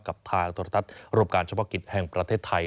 กับทางโทรทัศน์รวมการเฉพาะกิจแห่งประเทศไทย